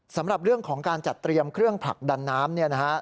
สำหรับเรื่องของการจัดเตรียมเครื่องผลักดันน้ำเนี่ยนะฮะ